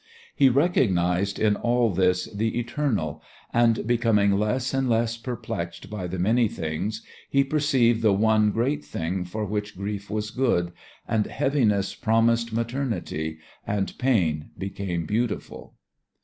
He recognized in all this the eternal, and becoming less and less perplexed by the many things, he perceived the one great thing for which grief was good, and heaviness promised maternity, and pain became beautiful.